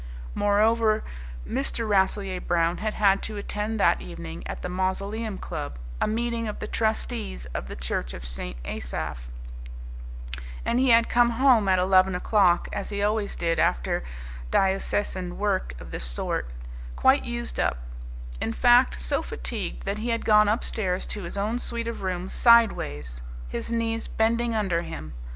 Moreover, Mr. Rasselyer Brown had had to attend that evening, at the Mausoleum Club, a meeting of the trustees of the Church of St. Asaph, and he had come home at eleven o'clock, as he always did after diocesan work of this sort, quite used up; in fact, so fatigued that he had gone upstairs to his own suite of rooms sideways, his knees bending under him.